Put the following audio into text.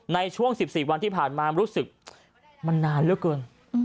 ในช่วง๑๔วันที่ผ่านมารู้สึกมันนานเหลือเกิน